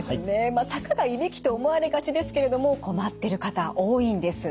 まあたかがいびきと思われがちですけれども困ってる方多いんです。